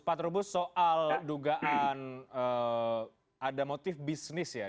pak trubus soal dugaan ada motif bisnis ya